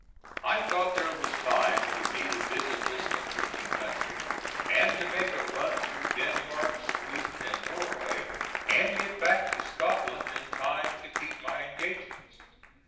I thought there was time for me to visit this interesting country and to make a run through Denmark, Sweden and Norway and get back to Scotland in time to keep my engagements.